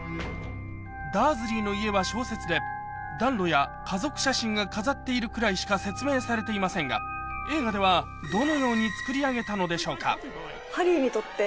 ダーズリーの家は小説で暖炉や家族写真が飾っているくらいしか説明されていませんが映画ではどのように造り上げたのでしょうか？